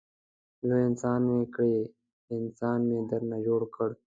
لوی انسان مې کړې انسان مې درنه جوړ کړ.